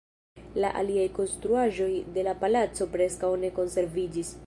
La aliaj konstruaĵoj de la palaco preskaŭ ne konserviĝis.